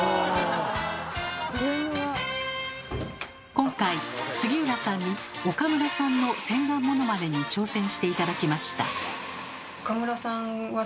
今回杉浦さんに岡村さんの洗顔ものまねに挑戦して頂きました。